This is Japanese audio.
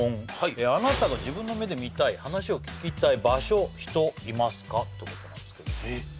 あなたが自分の目で見たい話を聞きたい場所人いますか？ってことなんですけどえっ？